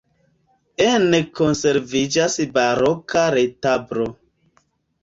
Ene konserviĝas baroka retablo.